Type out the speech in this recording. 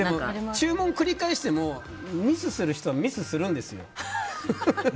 注文を繰り返してもミスする人はミスするんですよ。